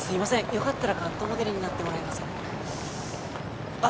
よかったらカットモデルになってもらえませんかあっ